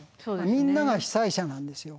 みんなが被災者なんですよ。